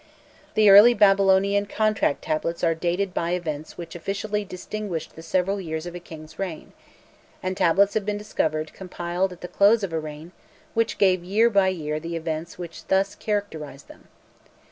The early Babylonian contract tablets are dated by events which officially distinguished the several years of a king's reign, and tablets have been discovered compiled at the close of a reign which give year by year the events which thus characterised them.